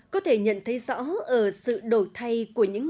có thể nhận thấy rõ ở sự đổi thay của nhà hàng